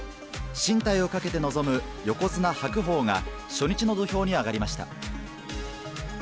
進退をかけて臨む横綱・白鵬が、初日の土俵に上がりました。